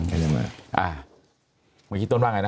อ่าเขาคิดต้นบ้างไงนะ